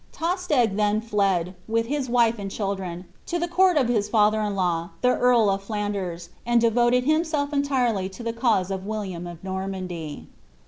Tostig then fled, with his wife and children, to the court of his iather in Iaw, the earl of Flanders, and devoted himself entirely to the cause of William of Normandy.